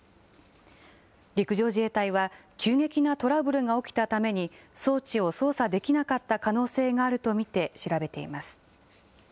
陸上自衛隊は、急激なトラブルが起きたために装置を操作できなかった可能性があると見て調べています。